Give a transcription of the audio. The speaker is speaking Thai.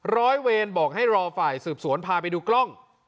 ร้อยเวรบอกให้รอฝ่ายสืบสวนพาไปดูกล้อง